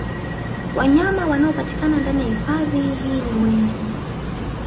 Wanyama wanaopatikana ndani ya hifadhi hii ni wengi